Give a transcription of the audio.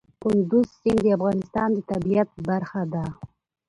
کندز سیند د افغانستان د طبیعت برخه ده.